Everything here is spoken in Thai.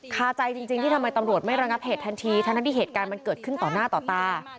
คาใจจริงที่ทำไมตำรวจไม่ระงับเหตุทันทีทั้งที่เหตุการณ์มันเกิดขึ้นต่อหน้าต่อตา